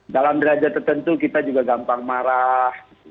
dalam derajat tertentu kita juga gampang marah